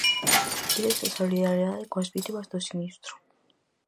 Pídese a solidariedade coas vítimas do sinistro.